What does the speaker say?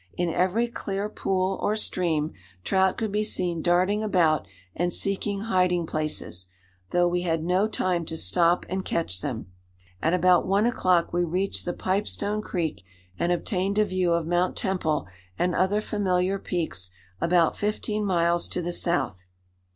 In every clear pool or stream, trout could be seen darting about and seeking hiding places, though we had no time to stop and catch them. At about one o'clock we reached the Pipestone Creek and obtained a view of Mount Temple and other familiar peaks about fifteen miles to the south.